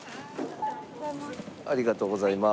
ありがとうございます。